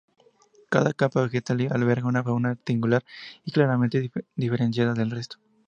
Cada capa vegetal alberga una fauna singular y claramente diferenciada del resto.